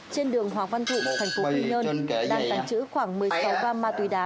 trên đường hoàng văn thụ thành phố quy nhơn đang tàng trữ khoảng một mươi sáu gam ma túy đá